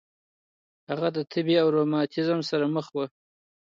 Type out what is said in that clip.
هغې د تبه او روماتیسم سره مخ وه.